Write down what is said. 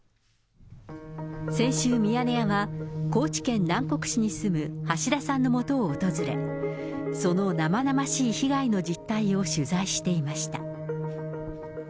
先週、ミヤネ屋は、高知県南国市に住む橋田さんのもとを訪れ、その生々しい被害の実態を取材していました。